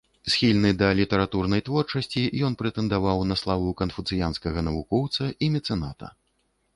Схільны да літаратурнай творчасці, ён прэтэндаваў на славу канфуцыянскага навукоўца і мецэната.